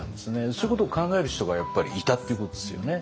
そういうことを考える人がやっぱりいたっていうことですよね。